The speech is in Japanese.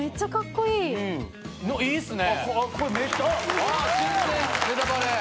いいっすね。